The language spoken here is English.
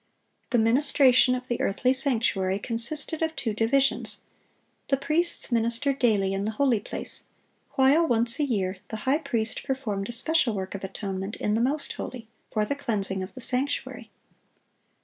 (687) The ministration of the earthly sanctuary consisted of two divisions; the priests ministered daily in the holy place, while once a year the high priest performed a special work of atonement in the most holy, for the cleansing of the sanctuary.